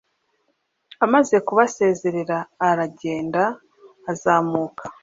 Amaze kubasezerera aragenda azamuka